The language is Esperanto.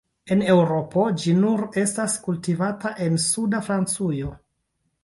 En Eŭropo ĝi nur estas kultivata en suda Francujo.